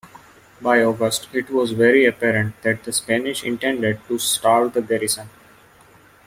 By August, it was very apparent that the Spanish intended to starve the garrison.